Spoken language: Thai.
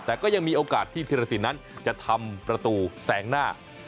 แต่ก็ยังมีโอกาสที่ธิรสินนั้นจะทำประตูแสงหน้า